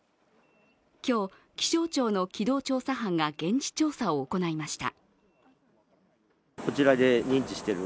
今日、気象庁の機動調査班が現地調査を行いました。